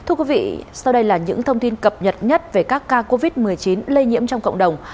thưa quý vị sau đây là những thông tin cập nhật nhất về các ca covid một mươi chín lây nhiễm trong cộng đồng